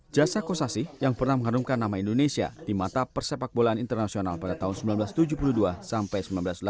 jasa kosasi yang pernah mengharumkan nama indonesia di mata persepak bolaan internasional pada tahun seribu sembilan ratus tujuh puluh dua sampai seribu sembilan ratus delapan puluh